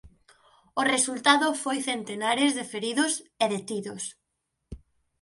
O resultado foi centenares de feridos e detidos.